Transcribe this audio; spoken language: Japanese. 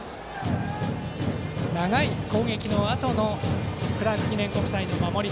長い攻撃のあとのクラーク記念国際の守り。